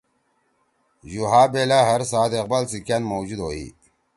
یُوہا بیلأ ہر ساعت اقبال سی کأن موجود ہوئی۔